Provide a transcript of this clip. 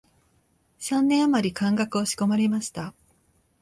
三年あまり漢学を仕込まれました